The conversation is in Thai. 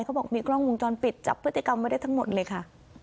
เขาบอกมีกล้องวงจรปิดจับพฤติกรรมไว้ได้ทั้งหมดเลยค่ะ